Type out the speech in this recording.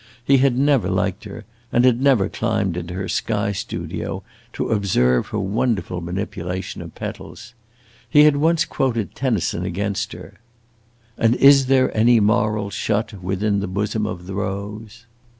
He had never liked her and never climbed into her sky studio to observe her wonderful manipulation of petals. He had once quoted Tennyson against her: "And is there any moral shut Within the bosom of the rose?"